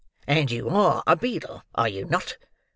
"And you ARE a beadle, are you not?"